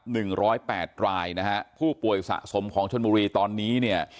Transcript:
หนึ่งร้อยแปดรายนะฮะผู้ป่วยสะสมของชนบุรีตอนนี้เนี่ย